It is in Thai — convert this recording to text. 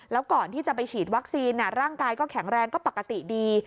แล้วก่อนที่จะไปฉีดวัคซีนร่างกายก็แข็งแรงก็ปกติดี